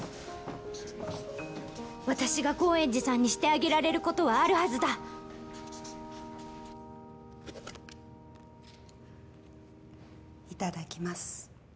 私が高円寺さんにしてあげられることはいただきます